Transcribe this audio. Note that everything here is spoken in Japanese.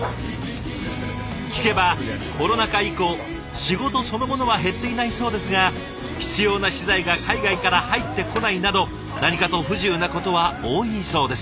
聞けばコロナ禍以降仕事そのものは減っていないそうですが必要な資材が海外から入ってこないなど何かと不自由なことは多いそうです。